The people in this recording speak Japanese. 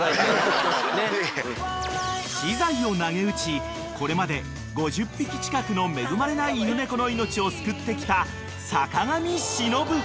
［私財をなげうちこれまで５０匹近くの恵まれない犬猫の命を救ってきた坂上忍］